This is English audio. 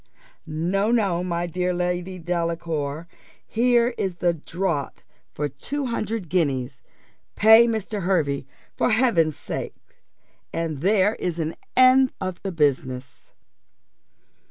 No, no, my dear Lady Delacour; here is the draught for two hundred guineas: pay Mr. Hervey, for Heaven's sake, and there is an end of the business."